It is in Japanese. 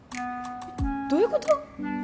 どういうこと？